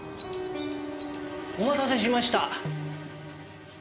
お待たせしました。